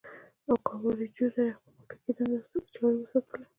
او کابل رېډيو سره ئې خپله مسلکي دنده جاري اوساتله